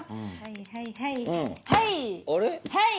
はいはいはいはい！